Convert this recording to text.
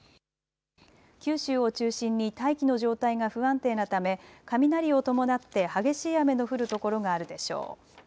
九州を中心に大気の状態が不安定なため雷を伴って激しい雨の降る所があるでしょう。